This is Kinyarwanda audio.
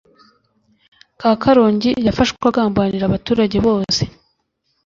ka karongi yafashwe agambanira abaturage bose